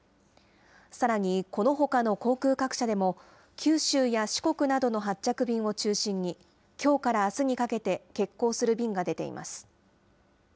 さらにこのほかの航空各社でも、九州や四国などの発着便を中心に、きょうからあすにかけて欠航する便が出ています。